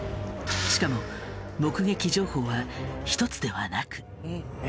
しかも目撃情報は１つではなく。